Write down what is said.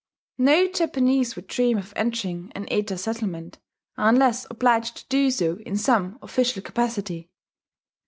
No Japanese would dream of entering an Eta settlement unless obliged to do so in some official capacity....